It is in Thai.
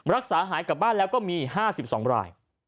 รักษาหายกลับบ้านแล้วก็มี๕๒ราย